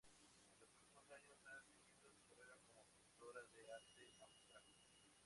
En los últimos años ha seguido su carrera como pintora de arte abstracto.